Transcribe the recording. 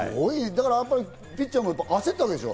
ピッチャーも焦ったわけでしょ？